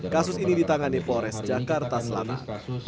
kasus ini ditangani polres jakarta selatan